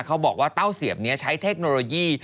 เขาบอกว่าเต้าเสียบนี้ใช้เทคโนโลยี